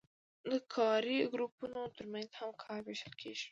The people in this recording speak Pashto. د کاري ګروپونو ترمنځ هم کار ویشل کیږي.